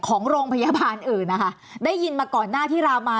ของโรงพยาบาลอื่นนะคะได้ยินมาก่อนหน้าที่ราวมา